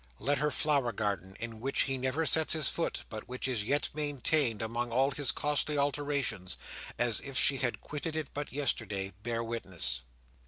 Let her flower garden, in which he never sets his foot, but which is yet maintained, among all his costly alterations, as if she had quitted it but yesterday, bear witness!